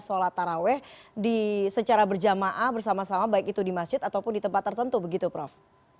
sholat taraweh secara berjamaah bersama sama baik itu di masjid ataupun di tempat tertentu begitu prof